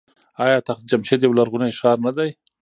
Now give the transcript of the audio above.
آیا تخت جمشید یو لرغونی ښار نه دی؟